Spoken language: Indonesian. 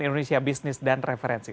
indonesia bisnis dan referensi